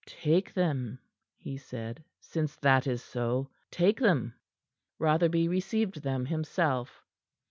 "Take them," he said. "Since that is so take them." Rotherby received them himself.